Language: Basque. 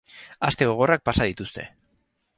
Aste gogorrak pasa dituzte.